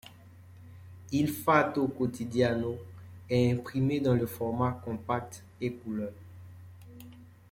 Il Fatto Quotidiano est imprimé dans le format compact et couleur.